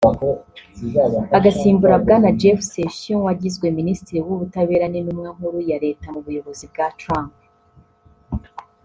agasimbura bwana Jeff Sessions wagizwe minisitiri w’ubutabera n’intumwa nkuru ya leta mu buyobozi bwa Trump